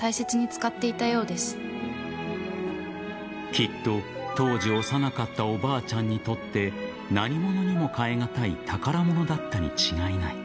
きっと、当時幼かったおばあちゃんにとって何ものにも代え難い宝物だったに違いない。